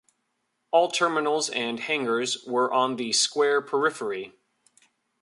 All terminals and hangars were on the square periphery.